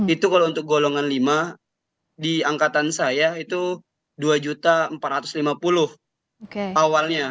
itu kalau untuk golongan lima di angkatan saya itu dua empat ratus lima puluh awalnya